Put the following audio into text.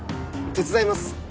手伝います